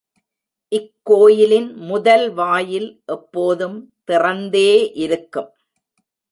இக்கோயிலின் முதல் வாயில் எப்போதும் திறந்தே இருக்கும்.